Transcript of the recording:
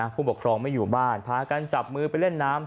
ผู้ปกครองไม่อยู่บ้านพากันจับมือไปเล่นน้ำ